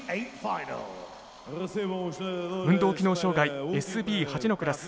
運動機能障がいＳＢ８のクラス。